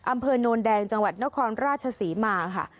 อำเภอโนนแดงจังหวัดนครราชศรีมาค่ะ